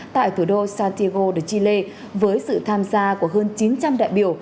tại thủ đô santiago chile với sự tham gia của hơn chín trăm linh đại biểu